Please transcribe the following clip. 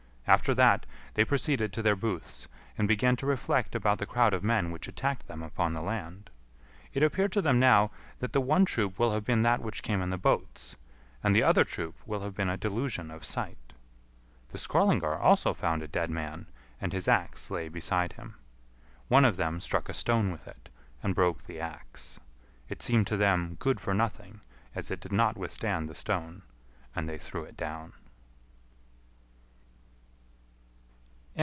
After that, they proceeded to their booths, and began to reflect about the crowd of men which attacked them upon the land; it appeared to them now that the one troop will have been that which came in the boats, and the other troop will have been a delusion of sight. The Skrœlingar also found a dead man, and his axe lay beside him. One of them struck a stone with it, and broke the axe. It seemed to them good for nothing, as it did not withstand the stone, and they threw it down.